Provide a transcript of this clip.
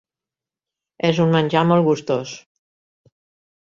És un menjar molt gustós.